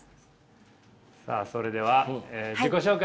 さあそれではえ自己紹介